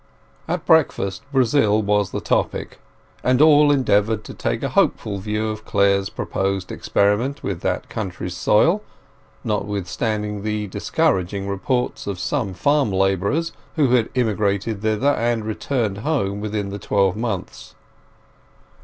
XL At breakfast Brazil was the topic, and all endeavoured to take a hopeful view of Clare's proposed experiment with that country's soil, notwithstanding the discouraging reports of some farm labourers who had emigrated thither and returned home within the twelve months.